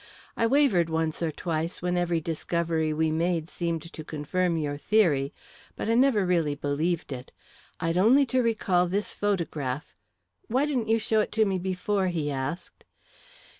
I wavered once or twice when every discovery we made seemed to confirm your theory, but I never really believed it. I'd only to recall this photograph " "Why didn't you show it to me before?" he asked.